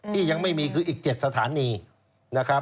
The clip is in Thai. ที่ยังไม่มีคืออีก๗สถานีนะครับ